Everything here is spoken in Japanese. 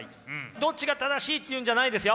どっちが正しいっていうんじゃないですよ。